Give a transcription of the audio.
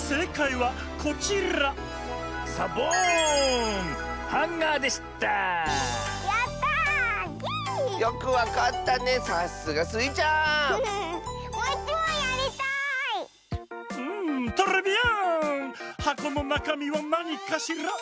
「はこのなかみはなにかしら？」